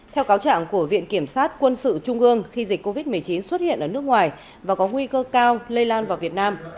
theo cáo trạng của viện kiểm sát quân sự trung ương khi dịch covid một mươi chín xuất hiện ở nước ngoài và có nguy cơ cao lây lan vào việt nam